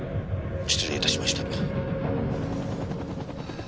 失礼いたしました。